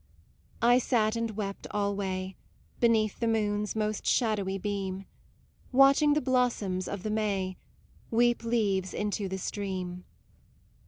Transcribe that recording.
I sat and wept alway Beneath the moon's most shadowy beam, Watching the blossoms of the May Weep leaves into the stream.